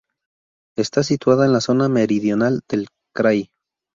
Está situada en la zona meridional del "krai".